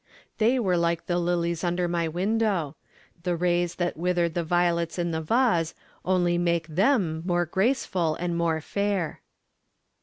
They were like the lilies under my window; the rays that withered the violets in the vase only make them more graceful and more fair.